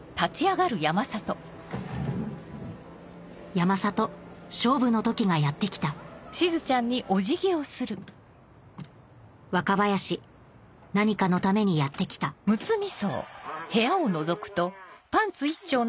山里勝負の時がやってきた若林何かのためにやってきた大事なとこですね。